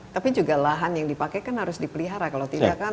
tapi juga lahan yang dipakai kan harus dipelihara kalau tidak kan